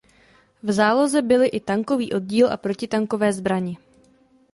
V záloze byly i tankový oddíl a protitankové zbraně.